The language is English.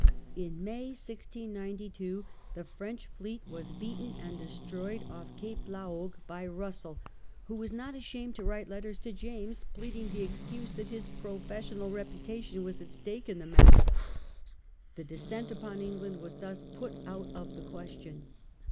*^In May, 1692, the French fleet was beaten and de stroyed off Cape La Hogue by Russell, who was not Campaign of ashamed to write letters to James pleading x69a,i693. the excuse that his professional reputation was aX stake in the matter. The descent upon England was thus put out of the question.